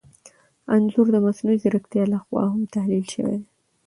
انځور د مصنوعي ځیرکتیا لخوا هم تحلیل شوی دی.